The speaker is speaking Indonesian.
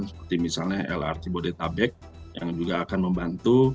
seperti misalnya lrt bodetabek yang juga akan membantu